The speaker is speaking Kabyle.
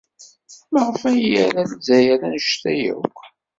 Maɣef ay ira Lezzayer anect-a akk?